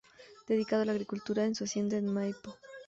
Dedicado a la agricultura en su hacienda en Maipo.